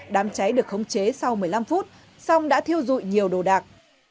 đám cháy được khống chế sau một mươi năm phút song đã thiêu dụi nhiều đồ đạc